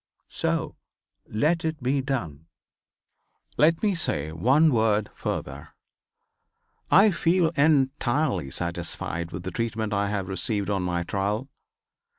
So let it be done. "Let me say one word further. I feel entirely satisfied with the treatment I have received on my trial.